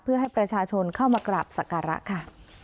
เพื่อให้ประชาชนเข้ามากราบสักการะค่ะ